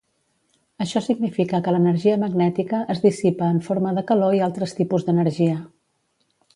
Això significa que l'energia magnètica es dissipa en forma de calor i altres tipus d'energia.